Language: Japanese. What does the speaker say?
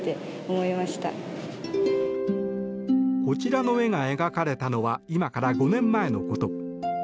こちらの絵が描かれたのは今から５年前のこと。